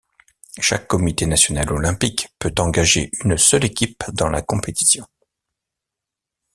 Chaque Comité national olympique peut engager une seule équipe dans la compétition.